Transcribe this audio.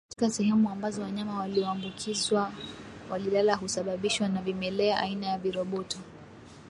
katika sehemu ambazo wanyama walioambukizwa walilala husababishwa na vimelea aina ya viroboto